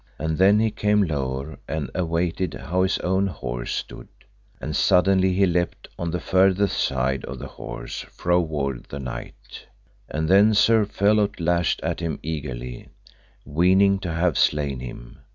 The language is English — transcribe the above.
And then he came lower and awaited how his own horse stood, and suddenly he leapt on the further side of the horse, fro ward the knight. And then Sir Phelot lashed at him eagerly, weening to have slain him.